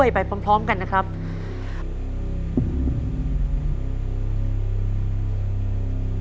คุณยายแจ้วเลือกตอบจังหวัดนครราชสีมานะครับ